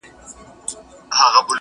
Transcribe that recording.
o اوړه ئې د مېچني، زامن ئې د چنچڼي!